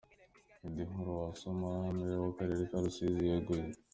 Indi nkuru wasoma: Meya w’Akarere ka Rusizi yeguye.